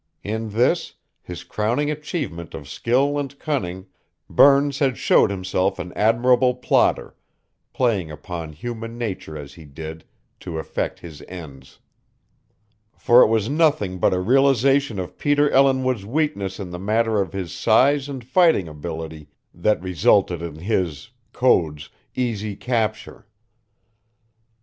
In this, his crowning achievement of skill and cunning, Burns had showed himself an admirable plotter, playing upon human nature as he did to effect his ends. For it was nothing but a realization of Peter Ellinwood's weakness in the matter of his size and fighting ability that resulted in his (Code's) easy capture.